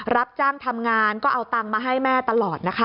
รับจ้างทำงานก็เอาตังค์มาให้แม่ตลอดนะคะ